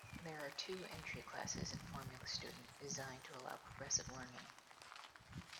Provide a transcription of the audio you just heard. There are two entry classes in Formula Student, designed to allow progressive learning.